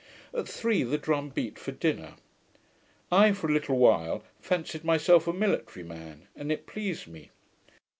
] At three the drum beat for dinner. I, for a little while, fancied myself a military man, and it pleased me.